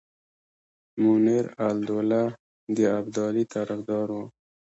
منیرالدوله د ابدالي طرفدار وو.